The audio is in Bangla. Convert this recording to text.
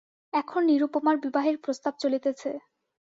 এখন নিরুপমার বিবাহের প্রস্তাব চলিতেছে।